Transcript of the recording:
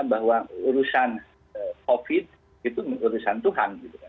bahwa urusan covid itu urusan tuhan